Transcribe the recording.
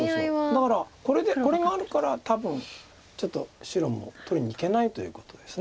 だからこれがあるから多分ちょっと白も取りにいけないということです。